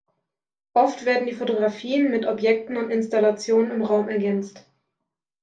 Oft werden die Fotografien mit Objekten und Installationen im Raum ergänzt.